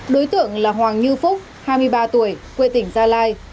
đối tượng là hoàng như phúc hai mươi ba tuổi quê tỉnh gia lai